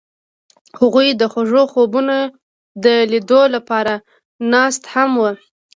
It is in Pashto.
هغوی د خوږ خوبونو د لیدلو لپاره ناست هم وو.